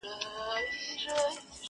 o آس مي در کی، پر سپرېږې به نه!